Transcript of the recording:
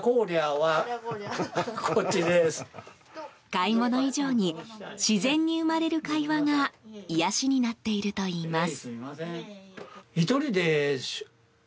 買い物以上に自然に生まれる会話が癒やしになっているといいます。